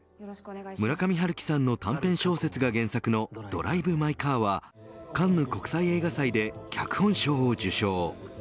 村上春樹さんの短編小説が原作のドライブ・マイ・カーはカンヌ国際映画祭で脚本賞を受賞。